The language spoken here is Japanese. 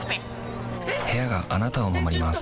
部屋があなたを守ります